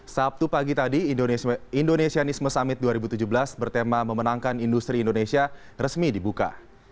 sabtu pagi tadi indonesianisme summit dua ribu tujuh belas bertema memenangkan industri indonesia resmi dibuka